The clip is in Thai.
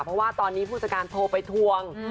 เพราะตอนนี้ผู้จักรานโทรไปทวง